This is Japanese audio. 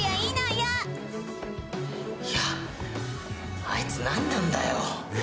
やいやあいつ何なんだよ